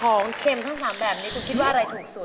เค็มทั้ง๓แบบนี้คุณคิดว่าอะไรถูกสุด